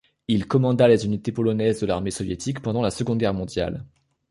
Il commanda les unités polonaises de l'armée soviétique pendant la Seconde Guerre mondiale.